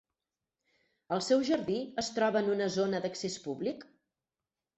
El seu jardí es troba en una zona d'accés públic?